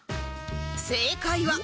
正解は